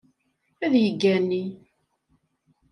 Ad yeggani.